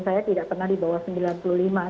saya tidak pernah di bawah sembilan puluh lima